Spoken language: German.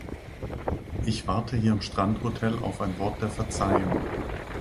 Ich warte hier im Strandhotel auf ein Wort der Verzeihung.